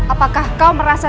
apakah kau merasa